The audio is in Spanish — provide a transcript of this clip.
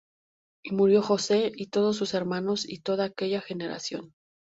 Y murió José, y todos sus hermanos, y toda aquella generación.